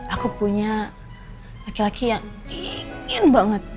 aku punya laki laki yang ingin banget